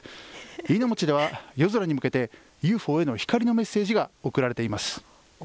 飯野町では夜空に向けて、ＵＦＯへの光のメッセージが送られています。